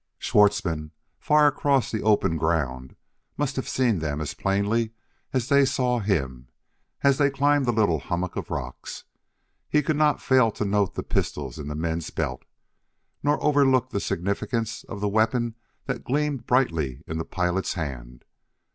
Schwartzmann, far across the open ground, must have seen them as plainly as they saw him as they climbed the little hummock of rocks. He could not fail to note the pistols in the men's belts, nor overlook the significance of the weapon that gleamed brightly in the pilot's hand.